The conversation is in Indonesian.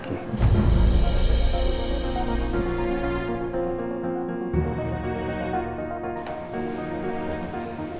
kami akan mencari tahu